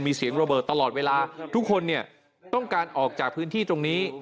มีเสียงระเบิดตลอดเวลาทุกคนเนี่ยต้องการออกจากพื้นที่ตรงนี้